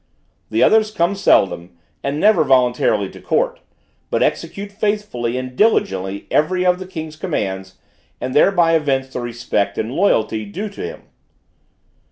"The others come seldom, and never voluntarily to court, but execute faithfully and diligently every of the king's commands, and thereby evince the respect and loyalty due to him.